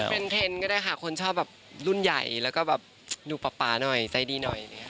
อาจจะเป็นเทรนด์ก็ได้ค่ะคนชอบแบบรุ่นใหญ่แล้วก็แบบหนูป๊าป๊าหน่อยใส่ดีหน่อย